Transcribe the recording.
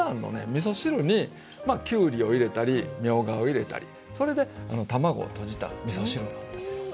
みそ汁にきゅうりを入れたりみょうがを入れたりそれで卵をとじたらみそ汁なんですよ。